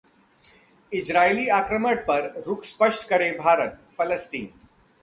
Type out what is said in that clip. Israeli आक्रमण पर रुख स्पष्ट करे भारत: फलस्तीन